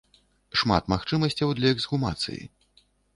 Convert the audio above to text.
Шмат магчымасцяў для эксгумацыі.